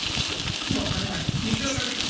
分からない水がかかった。